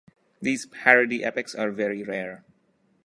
These "parody" epics are very rare.